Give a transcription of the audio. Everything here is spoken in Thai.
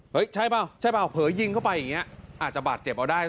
เผยหยิงเข้าไปแล้วอาจจะบาดเจ็บแบบนี้